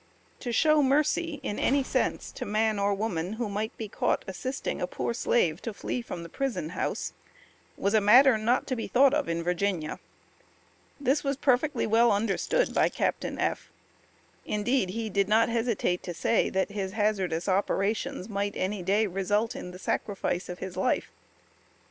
To show mercy, in any sense, to man or woman, who might be caught assisting a poor Slave to flee from the prison house, was a matter not to be thought of in Virginia. This was perfectly well understood by Captain F.; indeed he did not hesitate to say, that his hazardous operations might any day result in the "sacrifice" of his life.